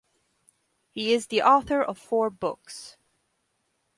He is the author of four books.